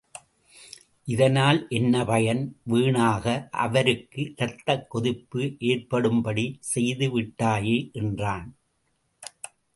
இதனால் என்ன பயன், வீணாக, அவருக்கு இரத்தக் கொதிப்பு ஏற்படும்படி செய்து விட்டாயே! என்றான்.